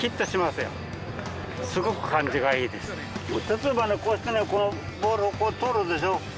例えばねこうしてねボールをこう取るでしょ？